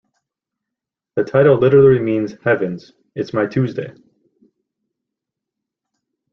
The title literally means Heavens, it's my Tuesday!